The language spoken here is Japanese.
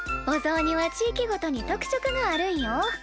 おぞうには地域ごとに特色があるんよ。